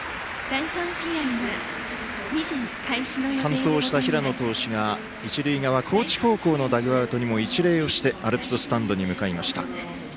完投した平野投手が一塁側、高知高校のダグアウトにも一礼をしてアルプススタンドに向かいました。